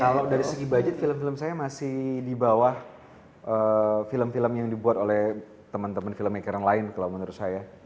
kalau dari segi budget film film saya masih di bawah film film yang dibuat oleh teman teman filmmaker yang lain kalau menurut saya